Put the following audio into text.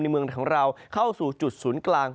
เมืองของเราเข้าสู่จุดศูนย์กลาง